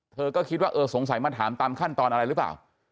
เธอก็คิดว่าเออสงสัยมาถามตามขั้นตอนอะไรหรือเปล่า